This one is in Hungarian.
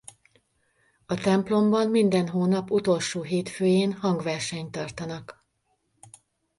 A templomban minden hónap utolsó hétfőjén hangversenyt tartanak.